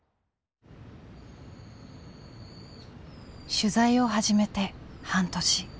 取材を始めて半年。